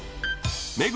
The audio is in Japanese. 目黒